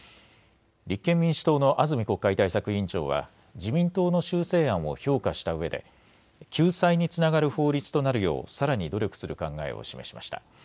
立憲民主党の安住国会対策委員長は自民党の修正案を評価したうえで救済につながる法律となるようさらに努力する考えを示しました。